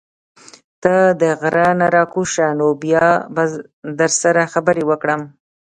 ته د غرۀ نه راکوز شه نو بيا به در سره خبرې وکړم